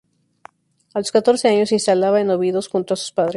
A los catorce años se instala en Óbidos junto a sus padres.